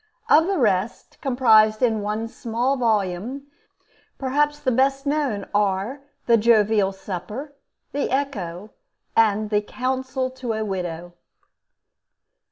Of the rest, comprised in one small volume, perhaps the best known are 'The Jovial Supper,' 'The Echo,' and the 'Counsel to a Widow.'